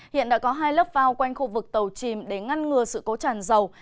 hiện đã có hai lớp phao quanh khu vực tàu chìm để ngăn ngừa sự cố tràn dầu